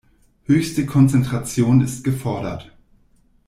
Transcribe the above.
Höchste Konzentration ist gefordert.